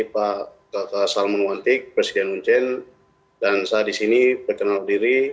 pak kakak salman wantik presiden uncen dan saya di sini perkenal diri